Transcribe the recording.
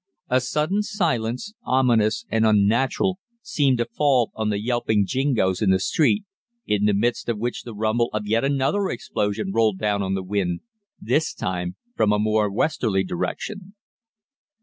A sudden silence, ominous and unnatural, seemed to fall on the yelping jingoes in the street, in the midst of which the rumble of yet another explosion rolled down on the wind, this time from a more westerly direction.